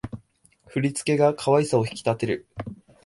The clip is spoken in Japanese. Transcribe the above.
振り付けが可愛さを引き立てる